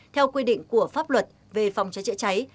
theo quy định của pháp luật về phòng cháy chữa cháy